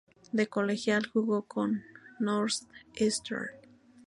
De colegial jugo con Northeastern.